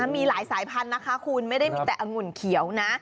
มีหลายสายพันธุ์นะคะคุณไม่ได้มีแต่งุ่นเขียวนะ